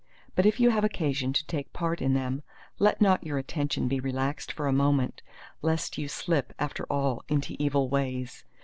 But if you have occasion to take part in them, let not your attention be relaxed for a moment, lest you slip after all into evil ways.